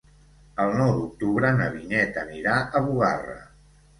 El nou d'octubre na Vinyet anirà a Bugarra.